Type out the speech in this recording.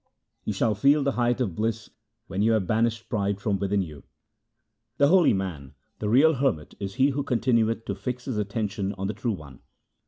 You shall feel the height of bliss when you have banished pride from within you. The holy man, the real hermit, is he who continueth to fix his attention on the True One.